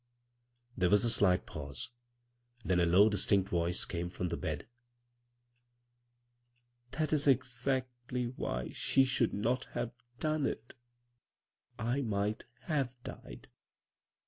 There was a slight pause ; then a low, dis tinct voice came from the bed. " That is exactly why she should not have done it — 1 might have died."